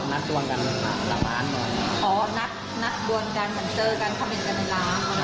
อ๋อนัดด่วนกันนัดเจอกันเข้าเองกันนานล่ะ